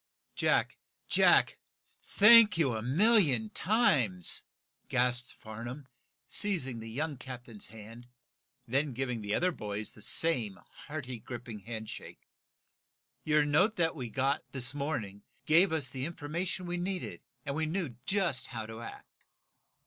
"Jack! Jack! Thank you a million times!" gasped Farnum, seizing the young captain's hand, then giving the other boys the same hearty gripping handshake. "Your note that we got, this morning, gave us the information we needed and we knew just how to act."